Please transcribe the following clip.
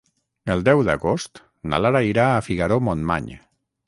El deu d'agost na Lara irà a Figaró-Montmany.